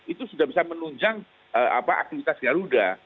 itu sudah bisa menunjang aktivitas garuda